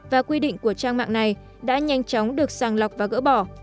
và quy định của trang mạng này đã nhanh chóng được sàng lọc và gỡ bỏ